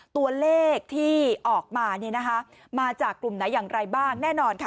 ตัวเลขที่ออกมาเนี่ยนะคะมาจากกลุ่มไหนอย่างไรบ้างแน่นอนค่ะ